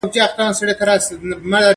دوهم کس په ټیم کې ټیکنالوژیست دی.